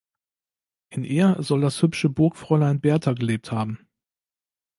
In ihr soll das hübsche Burgfräulein Berta gelebt haben.